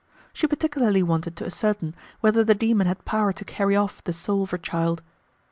She particularly wanted to ascertain whether the demon had power to carry off the soul of her child.